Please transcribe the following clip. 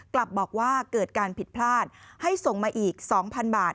กลับบอกว่าเกิดการผิดพลาดให้ส่งมาอีก๒๐๐๐บาท